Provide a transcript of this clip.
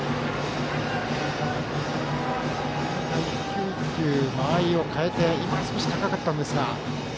１球１球、間合いを変えて今は少し高かったですが。